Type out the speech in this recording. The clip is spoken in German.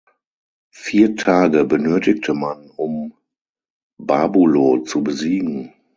Vier Tage benötigte man, um Babulo zu besiegen.